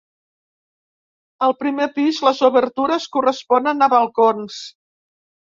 Al primer pis les obertures corresponen a balcons.